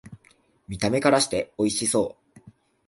見た目からしておいしそう